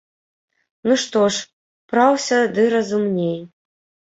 Ну што ж, праўся ды разумней.